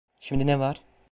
Şimdi ne var?